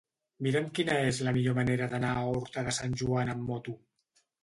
Mira'm quina és la millor manera d'anar a Horta de Sant Joan amb moto.